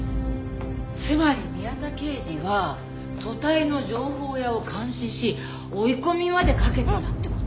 つまり宮田刑事は組対の情報屋を監視し追い込みまでかけてたって事？